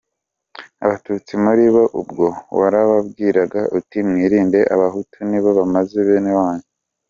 Abatutsi muri bo ubwo warababwiraga uti mwirinde abahutu nibo bamaze bene wanyu.